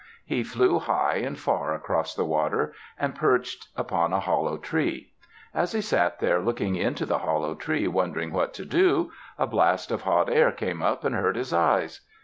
He flew high and far across the water and perched upon a hollow tree. As he sat there looking into the hollow tree, wondering what to do, a blast of hot air came up and hurt his eyes.